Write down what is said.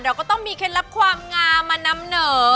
ก็ต้องมีเคล็ดลับความงามมานำเหนอ